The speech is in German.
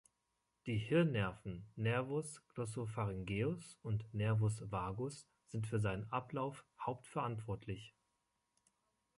Die Hirnnerven Nervus glossopharyngeus und Nervus vagus sind für seinen Ablauf hauptverantwortlich.